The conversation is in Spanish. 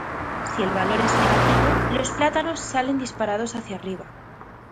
Si el valor es negativo los plátanos salen disparados hacia arriba.